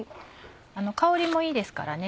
香りもいいですからね。